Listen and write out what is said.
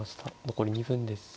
残り２分です。